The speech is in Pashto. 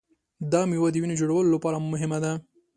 دا مېوه د وینې جوړولو لپاره مهمه ده.